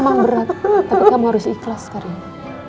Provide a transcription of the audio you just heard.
memang berat tapi kamu harus ikhlas karina